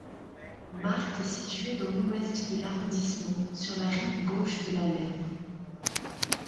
Marth est située dans l'ouest de l'arrondissement, sur la rive gauche de la Leine.